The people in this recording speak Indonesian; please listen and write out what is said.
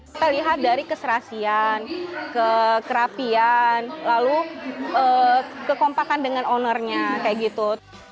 kita lihat dari keserasian kekerapian lalu kekompakan dengan ownernya kayak gitu